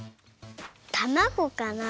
たまごかな？